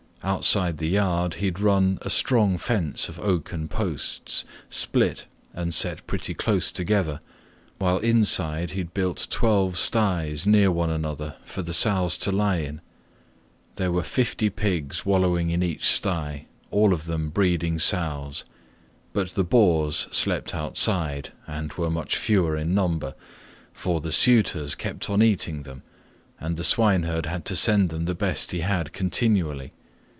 Outside the yard he had run a strong fence of oaken posts, split, and set pretty close together, while inside he had built twelve styes near one another for the sows to lie in. There were fifty pigs wallowing in each stye, all of them breeding sows; but the boars slept outside and were much fewer in number, for the suitors kept on eating them, and the swineherd had to send them the best he had continually.